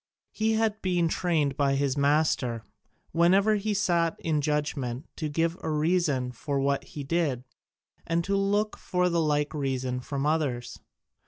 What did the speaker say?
He had been trained by his master, whenever he sat in judgment, to give a reason for what he did, and to look for the like reason from others.